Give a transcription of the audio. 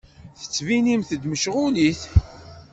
Ttettbinemt-d mecɣulit.